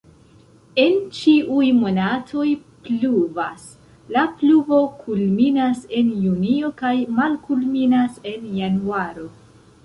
En ĉiuj monatoj pluvas, la pluvo kulminas en junio kaj malkulminas en januaro.